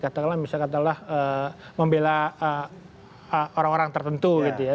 katakanlah misalnya katakanlah membela orang orang tertentu gitu ya